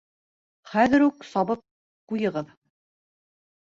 Хәҙер үк сабып ҡуйығыҙ!